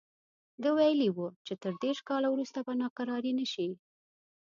ده ویلي وو چې تر دېرش کاله وروسته به ناکراري نه شي.